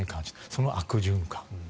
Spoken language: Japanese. その悪循環